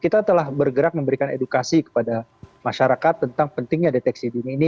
kita telah bergerak memberikan edukasi kepada masyarakat tentang pentingnya deteksi dini ini